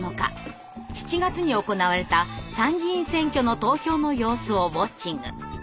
７月に行われた参議院選挙の投票の様子をウォッチング。